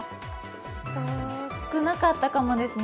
ちょっと少なかったかもですね。